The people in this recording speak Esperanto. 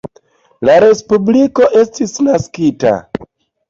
La respubliko estis naskita.